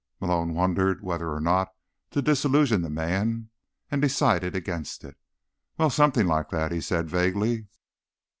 Malone wondered whether or not to disillusion the man, and decided against it. "Well, something like that," he said vaguely.